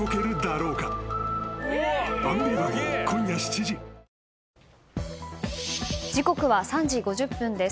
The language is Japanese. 時刻は３時５０分です。